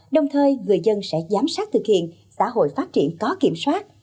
đồng thời người dân sẽ giám sát thực hiện xã hội phát triển có kiểm soát